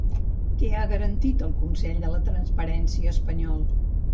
Què ha garantit el Consell de la Transparència espanyol?